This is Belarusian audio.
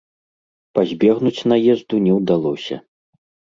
Пазбегнуць наезду не ўдалося.